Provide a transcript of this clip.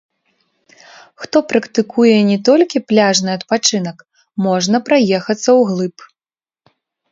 Хто практыкуе не толькі пляжны адпачынак, можна праехацца ўглыб.